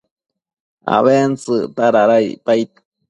abentsëcta dada icpaid